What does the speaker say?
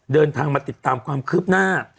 เดินทางมาติดตามความคืบหน้า